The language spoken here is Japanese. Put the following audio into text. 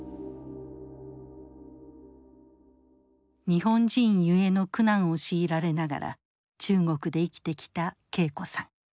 日本人ゆえの苦難を強いられながら中国で生きてきた桂子さん。